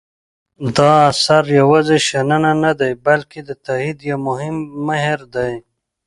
دا اثر یوازې شننه نه دی بلکې د تاکید یو مهم مهر دی.